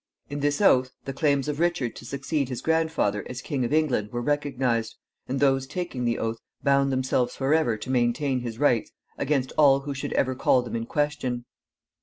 In this oath, the claims of Richard to succeed his grandfather as King of England were recognized, and those taking the oath bound themselves forever to maintain his rights against all who should ever call them in question.